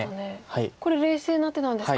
これ冷静な手なんですか。